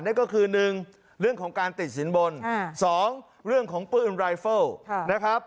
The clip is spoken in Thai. นั่นก็คือ๑เรื่องของการติดสินบน๒เรื่องของปืนรายเฟิลนะครับ